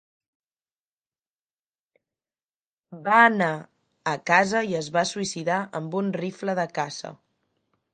Va anar a casa i es va suïcidar amb un rifle de caça.